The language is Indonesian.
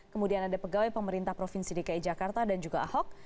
kemudian ada pegawai pemerintah provinsi dki jakarta dan juga ahok